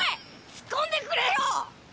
つっこんでくれよ！